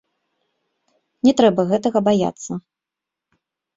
Не трэба гэтага баяцца.